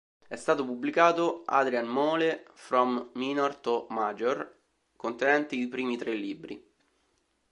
È stato pubblicato "Adrian Mole From Minor to Major", contenente i primi tre libri.